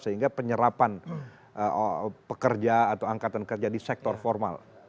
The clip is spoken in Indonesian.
sehingga penyerapan pekerja atau angkatan kerja di sektor formal